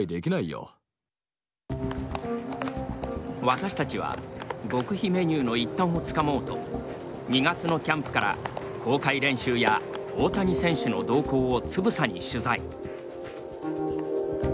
私たちは極秘メニューの一端をつかもうと２月のキャンプから公開練習や大谷選手の動向をつぶさに取材。